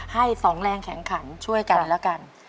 ให้สองแรงแข็งขันช่วยกันแล้วกัน